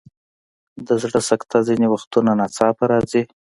د زړه سکته ځینې وختونه ناڅاپه راځي.